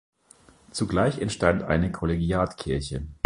Zugleich entstand eine Kollegiatkirche.